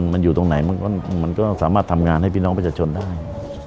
มันอยู่ตรงไหนมันก็สามารถทำงานให้พี่น้องประชาชนได้